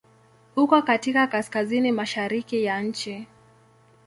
Uko katika Kaskazini mashariki ya nchi.